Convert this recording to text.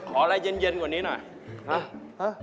อะไรเย็นกว่านี้หน่อยฮะ